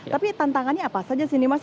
tapi tantangannya apa saja sih ini mas